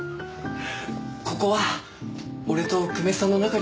ここは俺と久米さんの仲に免じてね？